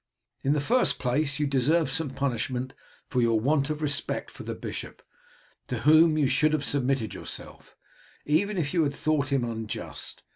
In the first place, you deserved some punishment for your want of respect for the bishop, to whom you should have submitted yourself, even if you had thought him unjust.